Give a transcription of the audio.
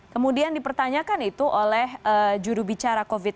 kemudian dipertanyakan itu oleh juru bicara covid sembilan belas